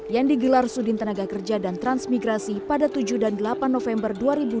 yang digelar sudin tenaga kerja dan transmigrasi pada tujuh dan delapan november dua ribu dua puluh